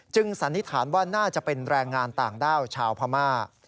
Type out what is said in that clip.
สันนิษฐานว่าน่าจะเป็นแรงงานต่างด้าวชาวพม่า